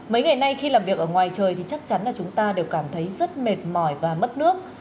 mấy ngày nay khi làm việc ở ngoài trời thì chắc chắn là chúng ta đều cảm thấy rất mệt mỏi và mất nước